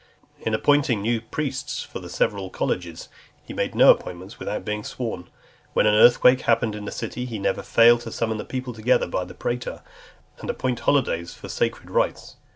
In appointing new priests for the several colleges, he made no appointments without being sworn. When an earthquake (315) happened in the city, he never failed to summon the people together by the praetor, and appoint holidays for sacred rites.